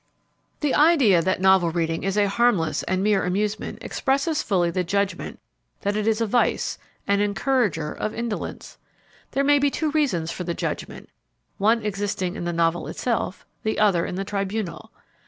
The idea that novel reading is a harmless and mere amusement expresses fully the judgment that it is a vice, an encourager of indolence. There may be two reasons for the judgment, one existing in the novel itself, the other in the tribunal.